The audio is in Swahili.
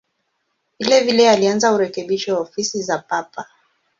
Vilevile alianza urekebisho wa ofisi za Papa.